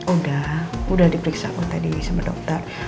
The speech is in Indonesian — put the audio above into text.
udah udah diperiksa aku tadi sama dokter